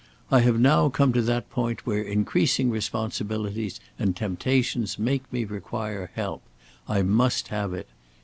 I have now come to that point where increasing responsibilities and temptations make me require help. I must have it.